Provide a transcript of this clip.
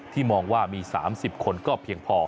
มองว่ามี๓๐คนก็เพียงพอ